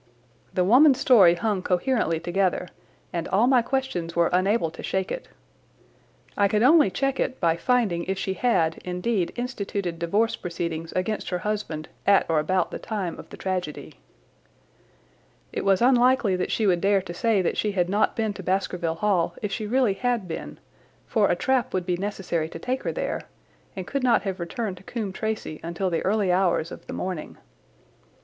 The woman's story hung coherently together, and all my questions were unable to shake it. I could only check it by finding if she had, indeed, instituted divorce proceedings against her husband at or about the time of the tragedy. It was unlikely that she would dare to say that she had not been to Baskerville Hall if she really had been, for a trap would be necessary to take her there, and could not have returned to Coombe Tracey until the early hours of the morning.